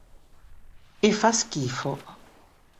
E fa schifo.